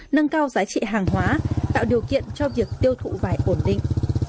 nâng cao giá trị hàng hóa tạo điều kiện cho việc tiêu thụ vải ổn định